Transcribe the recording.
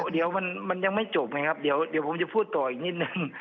เดี๋ยวมันยังไม่จบไงครับเดี๋ยวผมจะพูดต่ออีกนิดนึง